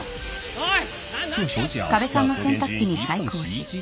おい！